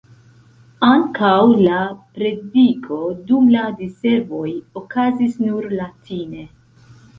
Ankaŭ la prediko dum la diservoj okazis nur latine.